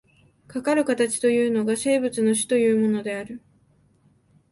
かかる形というのが、生物の種というものである。